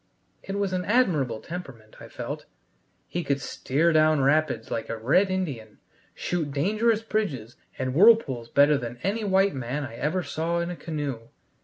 It was an admirable temperament, I felt: he could steer down rapids like a red Indian, shoot dangerous bridges and whirlpools better than any white man I ever saw in a canoe.